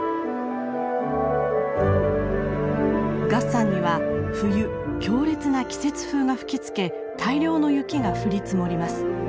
月山には冬強烈な季節風が吹きつけ大量の雪が降り積もります。